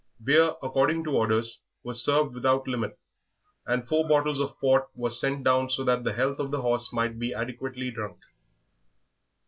Beer, according to orders, was served without limit, and four bottles of port were sent down so that the health of the horse might be adequately drunk.